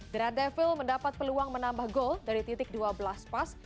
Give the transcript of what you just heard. thera daville mendapat peluang menambah gol dari titik dua belas pas